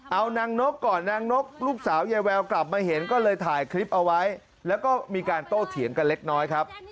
เอานางนกก่อนนางนกลูกสาวยายแววกลับมาเห็นก็เลยถ่ายคลิปเอาไว้แล้วก็มีการโต้เถียงกันเล็กน้อยครับ